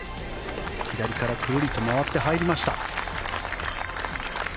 左からくるりと回って入りました。